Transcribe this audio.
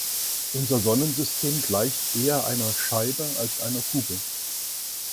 Unser Sonnensystem gleicht eher einer Scheibe als einer Kugel.